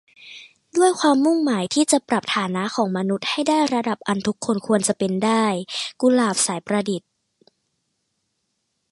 ด้วยความมุ่งหมายที่จะปรับฐานะของมนุษย์ให้ได้ระดับอันทุกคนควรจะเปนได้ - กุหลาบ สายประดิษฐ์